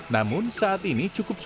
namun saat ini cukup sulit